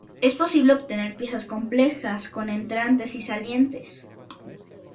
Es posible obtener piezas complejas con entrantes y salientes.